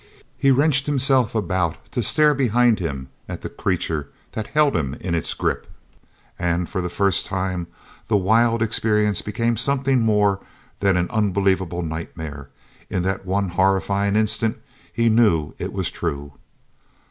He wrenched himself about to stare behind him at the creature that held him in its grip. And, for the first time, the wild experience became something more than an unbelievable nightmare; in that one horrifying instant he knew it was true.